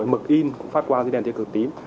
mực in cũng phát quang dưới đèn thiên cực tím